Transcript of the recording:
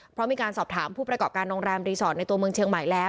เพราะมีการสอบถามผู้ประกอบการโรงแรมรีสอร์ทในตัวเมืองเชียงใหม่แล้ว